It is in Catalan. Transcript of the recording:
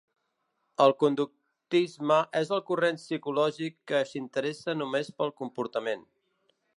El conductisme és el corrent psicològic que s'interessa només pel comportament.